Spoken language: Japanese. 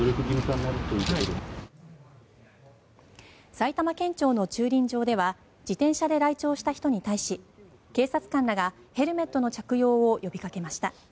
埼玉県庁の駐輪場では自転車で来庁した人に対し警察官らがヘルメットの着用を呼びかけました。